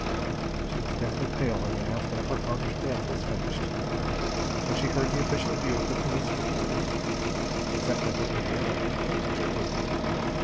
She was deathly pale when the announcement of her father's death was finished, and she had heard the official view of the police reported exactly what Ribiera had told her it would be.